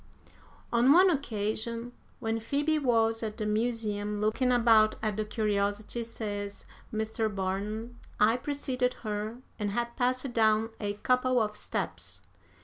"'On one occasion, when Phoebe was at the Museum looking about at the curiosities,' says Mr. Barnum, 'I preceded her and had passed down a couple of steps.